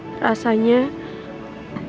perasaan gue semakin sakit